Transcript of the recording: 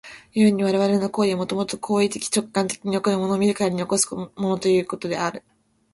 故に我々の行為は、もと行為的直観的に起こる、物を見るから起こるというのである。